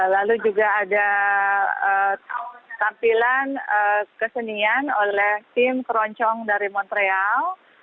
lalu juga ada tampilan kesenian oleh tim keroncong dari montreal